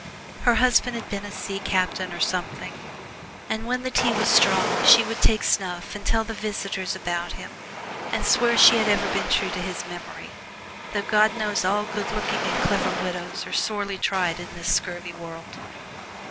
Her husband had been a ship captain or something, and when the tea was strong she would take snuff and tell the visitors about him and swear she had ever been true to his memory, though God knows all good looking and clever widows are sorely tried in this scurvy world!